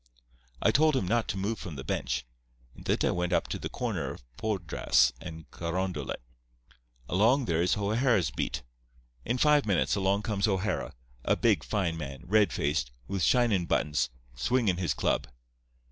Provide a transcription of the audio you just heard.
"I told him not to move from the bench, and then I went up to the corner of Poydras and Carondelet. Along there is O'Hara's beat. In five minutes along comes O'Hara, a big, fine man, red faced, with shinin' buttons, swingin' his club.